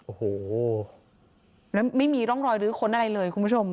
โอ้โหแล้วไม่มีร่องรอยลื้อค้นอะไรเลยคุณผู้ชม